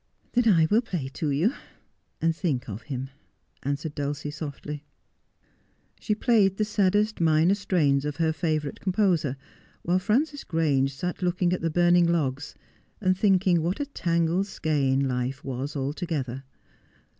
' Then I will play to you— and think of him,' answered Dulcie softly. She played the saddest minor strains of her favourite com poser, while Frances Grange sat looking at the burning logs and thinking what a tangled skein life was altogether.